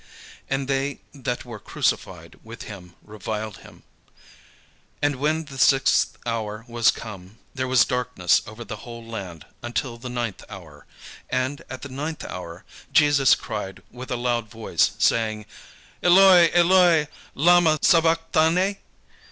And they that were crucified with him reviled him. And when the sixth hour was come, there was darkness over the whole land until the ninth hour. And at the ninth hour, Jesus cried with a loud voice, saying: "Eloi, Eloi, lama sabachthani?"